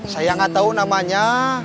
saya gak tau namanya